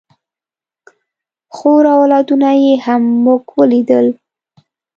خور او اولادونه یې هم موږ ولیدل.